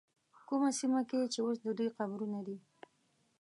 کومه سیمه کې چې اوس د دوی قبرونه دي.